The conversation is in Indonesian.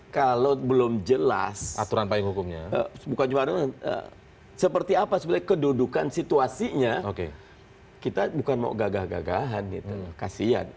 kalau belum jelas seperti apa sebenarnya kedudukan situasinya kita bukan mau gagah gagahan kasian